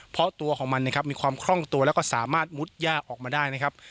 เพราะตัวของมันนะครับมีความคล่องตัวแล้วก็สามารถมุดย่าออกมาได้นะครับ